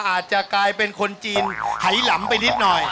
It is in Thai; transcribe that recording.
อาจจะกลายเป็นคนจีน